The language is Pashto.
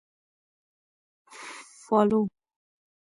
Follow